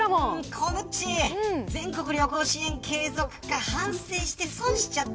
コムっち全国旅行支援継続って反省して損しちゃった。